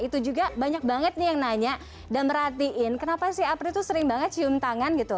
itu juga banyak banget nih yang nanya dan merhatiin kenapa si apri tuh sering banget cium tangan gitu